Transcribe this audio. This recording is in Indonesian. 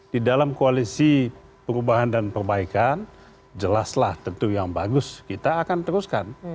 di dalam koalisi perubahan dan perbaikan jelaslah tentu yang bagus kita akan teruskan